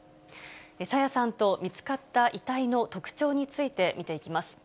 朝芽さんと見つかった遺体の特徴について見ていきます。